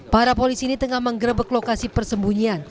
para polisi ini tengah menggerebek lokasi persembunyian